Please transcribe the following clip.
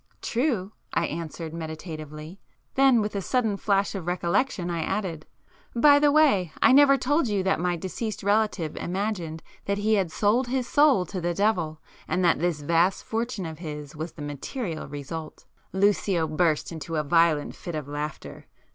"True!" I answered meditatively,—then, with a sudden flash of recollection I added—"By the way I never told you that my deceased relative imagined that he had sold his soul to the devil, and that this vast fortune of his was the material result!" Lucio burst into a violent fit of laughter.